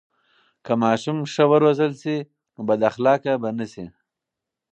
که ماشوم ښه و روزل سي، نو بد اخلاقه به نه سي.